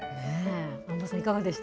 安間さん、いかがでした？